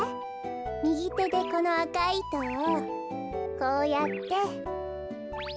みぎてでこのあかいいとをこうやって。